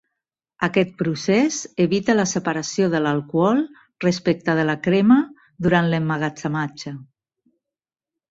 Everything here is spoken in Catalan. Aquest procés evita la separació de l'alcohol respecte de la crema durant l'emmagatzematge.